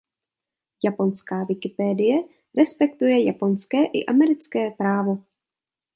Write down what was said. Japonská Wikipedie respektuje japonské i americké právo.